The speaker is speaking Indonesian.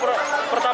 baru pertama kali